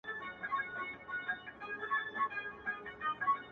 پر زکندن به د وطن ارمان کوینه،